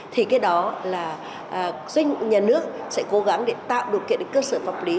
thì cái đó là doanh nghiệp nhà nước sẽ cố gắng để tạo điều kiện cơ sở pháp lý